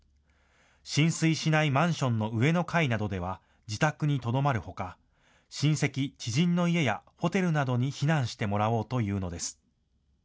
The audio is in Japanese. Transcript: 浸水しないマンションの上の階などでは、自宅にとどまるほか、親戚、知人の家や、ホテルなどに避難してもらおうというのです。